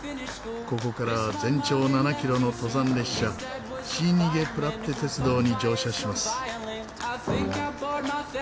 ここから全長７キロの登山列車シーニゲプラッテ鉄道に乗車します。